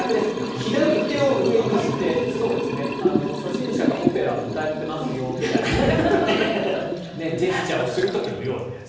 左手を上にして、初心者がオペラを歌ってますよみたいなジェスチャーをする時のようなやつ。